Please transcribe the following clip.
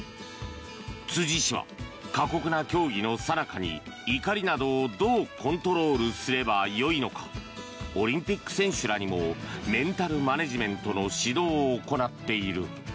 辻氏は過酷な競技のさなかに怒りなどをどうコントロールすればよいのかオリンピック選手らにもメンタルマネジメントの指導を行っている。